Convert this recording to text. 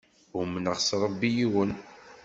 Umneɣ s Ṛebbi yiwen.